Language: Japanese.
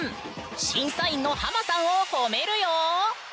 審査員のハマさんを褒めるよ！